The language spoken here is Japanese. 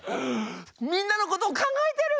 みんなのことを考えてる！